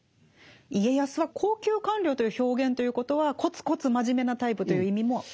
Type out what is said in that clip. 家康は「高級官僚」という表現ということはコツコツ真面目なタイプという意味もあるんですか？